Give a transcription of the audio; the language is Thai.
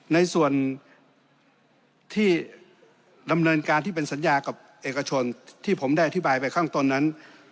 ในส่วนที่ดำเนินการที่เป็นสัญญากับเอกชนที่ผมได้อธิบายไปข้างต้นนั้น